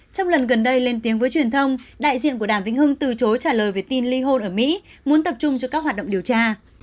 trong lần gần đây lên tiếng với truyền thông đại diện của đảng vĩnh hưng từ chối trả lời về tin ly hôn ở mỹ muốn tập trung cho các hoạt động điều tra